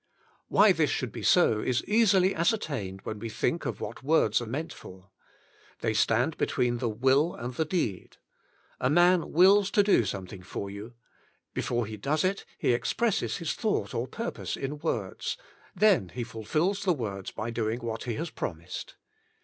^' Why this should be so, is easily ascertained when we think of what Words are meant for. They stand between the will and the deed. A man wills to do something for you; before he does it, he expresses his thought or purpose in words; then he fulfils the words by doing what he has promised.